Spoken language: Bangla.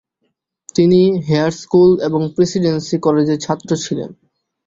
তিনি হেয়ার স্কুল এবং প্রেসিডেন্সি কলেজের ছাত্র ছিলেন।